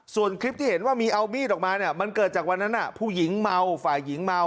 ส่วนคลิปที่เห็นว่ามีเอามีดออกมาเนี่ยมันเกิดจากวันนั้นผู้หญิงเมาฝ่ายหญิงเมา